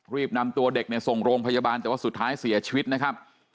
รีบนำตัวเด็กเนี่ยส่งโรงพยาบาลแต่ว่าสุดท้ายเสียชีวิตนะครับ